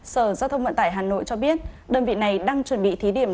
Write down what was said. sở giao thông vận tải hà nội cho biết đơn vị này đang chuẩn bị thí điểm